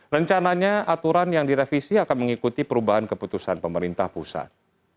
rencananya aturan yang direvisi akan mengikuti perubahan keputusan pemerintah pusat